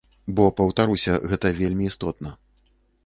Бо, паўтаруся, гэта вельмі істотна.